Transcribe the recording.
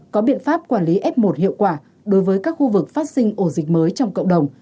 có biện pháp quản lý f một hiệu quả đối với các khu vực phát sinh ổ dịch mới trong cộng đồng